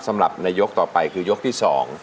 สำหรับในยกต่อไปคือยกที่๒